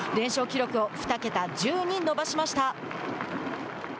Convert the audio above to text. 記録を二桁１０に伸ばしました。